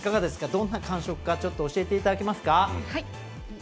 どんな感触か、ちょっと教えていただけますか。